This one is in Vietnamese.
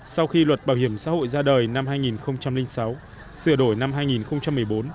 sau khi luật bảo hiểm xã hội ra đời năm hai nghìn sáu sửa đổi năm hai nghìn một mươi bốn